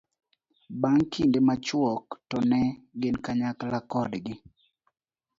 bang' kinde machuok to ne gin kanyakla kodgi